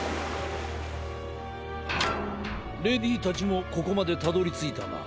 レディーたちもここまでたどりついたな。